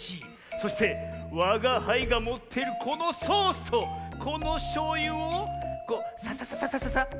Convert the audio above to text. そしてわがはいがもっているこのソースとこのしょうゆをこうサササササササッ。